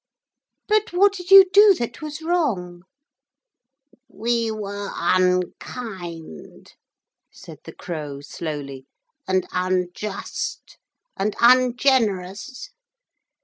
'But what did you do that was wrong?' 'We were unkind,' said the Crow slowly, 'and unjust, and ungenerous.